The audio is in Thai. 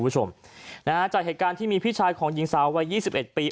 จากเหตุการณ์ที่มีพี่ชายของหญิงสาววัย๒๑ปี